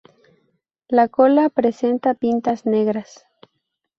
La cola presenta pintas negras.